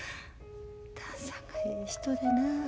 旦さんがええ人でな。